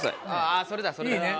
あぁそれだそれだ。